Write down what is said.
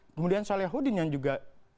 kemudian solehudin yang juga